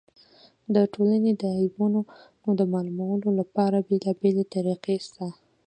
د ټولني د عیبونو د معلومولو له پاره بېلابېلې طریقي سته.